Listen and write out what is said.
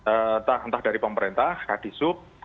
entah dari pemerintah kadisub